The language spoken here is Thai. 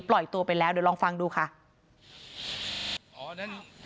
ปล่อยตัวไปแล้วเดี๋ยวลองฟังดูค่ะอ๋อนั่นเป็นยังไงบ้างคะ